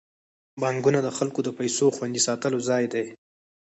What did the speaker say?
بانکونه د خلکو د پيسو خوندي ساتلو ځای دی.